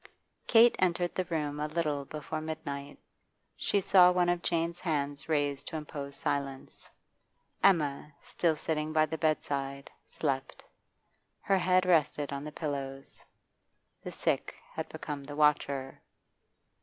Kate entered the room a little before midnight. She saw one of Jane's hands raised to impose silence. Emma, still sitting by the bedside, slept; her head rested on the pillows. The sick had become the watcher.